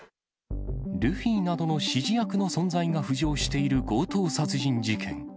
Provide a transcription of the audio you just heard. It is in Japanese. ルフィなどの指示役の存在が浮上している強盗殺人事件。